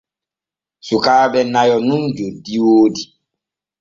Sukaaɓe nayo nun joddi o woodi.